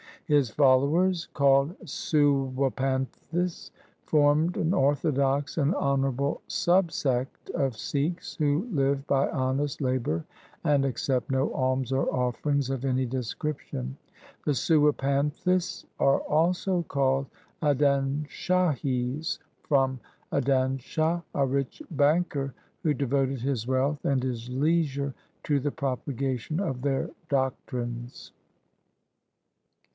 His followers, called Sewapanthis, form an orthodox and honour able sub sect of Sikhs who live by honest labour and accept no alms or offerings of any descrip tion. The Sewapanthis are also called Adanshahis from Adanshah, a rich banker who devoted his wealth and his leisure to the propagation of their doctrines.